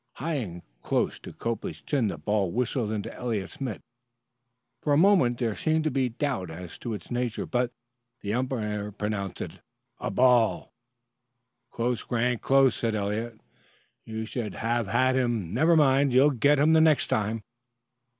High and close to Copley's chin the ball whistled into Eliot's mitt. For a moment there seemed some doubt as to its nature, but the umpire pronounced it a "ball." "Close, Grant close," said Eliot. "You should have had him. Never mind, you'll get him next time."